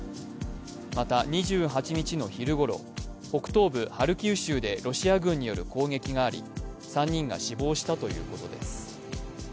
また、２８日の昼ごろ、東部ハルキウ州でロシア軍による攻撃があり３人が死亡したということです。